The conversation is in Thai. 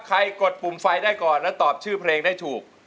กดปุ่มไฟได้ก่อนและตอบชื่อเพลงได้ถูก